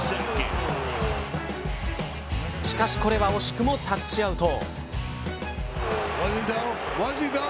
しかしこれは惜しくもタッチアウト。